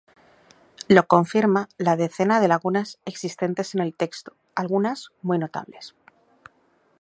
Lo confirma la decena de lagunas existentes en el texto, algunas muy notables.